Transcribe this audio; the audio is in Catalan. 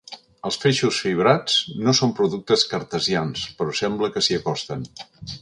Els feixos fibrats no són productes cartesians, però sembla que s'hi acosten.